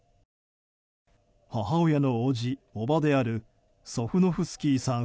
母親のおじおばであるソフノフスキーさん